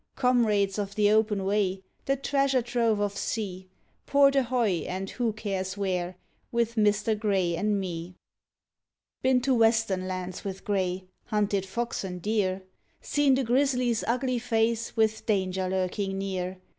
Comrades of the Open Way, the Treasure Trove of Sea, Port Ahoy and who cares where, with Mister Grey an' Me! Been to Western lands with Grey ... hunted fox and deer. Seen the Grizzly's ugly face with danger lurkin' near.